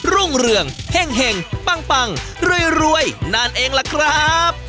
รุ่งเรืองเฮ่งปังรวยนั่นเองล่ะครับ